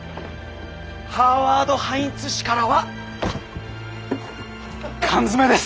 ハーワード・ハインツ氏からは缶詰です。